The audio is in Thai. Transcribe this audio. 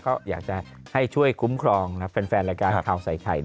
ก็อยากจะให้ช่วยคุ้มครองแฟนรายการข่าวใส่ไข่